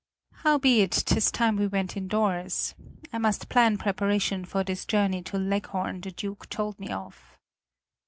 Howbeit 'tis time we went indoors. I must plan preparation for this journey to Leghorn the Duke told me of."